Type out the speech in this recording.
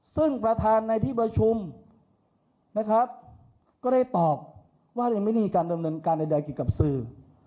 ซึ่งประธานในที่ประชุมนะครับก็ได้ตอบว่ายังไม่มีการดำเนินการใดเกี่ยวกับสื่อ